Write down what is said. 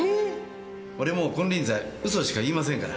俺もう金輪際嘘しか言いませんから。